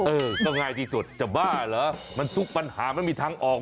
เออก็ง่ายที่สุดจะบ้าเหรอมันทุกปัญหามันมีทางออก